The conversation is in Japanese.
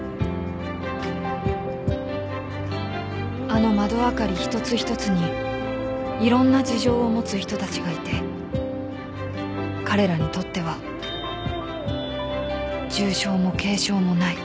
［あの窓明かり一つ一つにいろんな事情を持つ人たちがいて彼らにとっては重症も軽症もない］